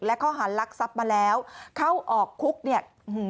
และเขาหารักทรัพย์มาแล้วเข้าออกคุก